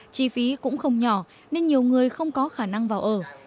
chi phí cũng không nhỏ nên nhiều người không có khả năng vào ở